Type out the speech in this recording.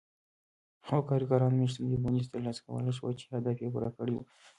هغو کارګرانو میاشتنی بونېس ترلاسه کولای شوای چې هدف یې پوره کړی و